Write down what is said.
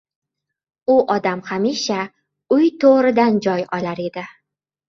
U odam hamisha uy turidan joy olar edi.